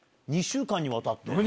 ２週間にわたって。